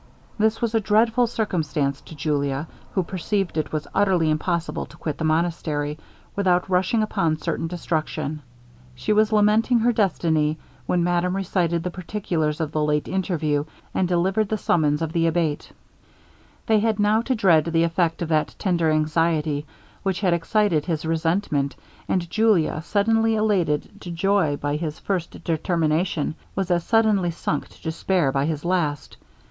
This was a dreadful circumstance to Julia, who perceived it was utterly impossible to quit the monastery, without rushing upon certain destruction. She was lamenting her destiny, when madame recited the particulars of the late interview, and delivered the summons of the Abate. They had now to dread the effect of that tender anxiety, which had excited his resentment; and Julia, suddenly elated to joy by his first determination, was as suddenly sunk to despair by his last.